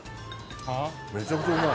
めちゃくちゃうまい！